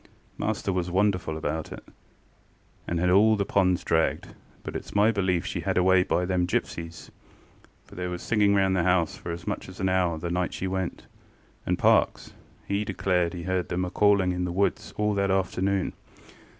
Master was wonderful put about, and had all the ponds dragged; but itŌĆÖs my belief she was had away by them gipsies, for there was singing round the house for as much as an hour the night she went, and Parkes, he declare as he heard them a calling in the woods all that afternoon.